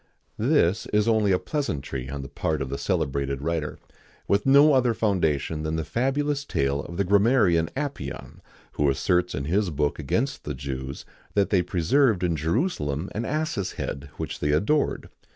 [XIX 86] This is only a pleasantry on the part of the celebrated writer, with no other foundation than the fabulous tale of the grammarian Apion, who asserts in his book against the Jews that they preserved in Jerusalem an ass's head, which they adored.